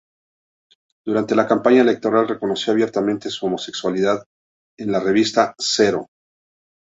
Durante la campaña electoral reconoció abiertamente su homosexualidad en la revista "Zero".